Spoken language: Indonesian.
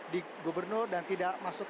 di gubernur dan tidak masuk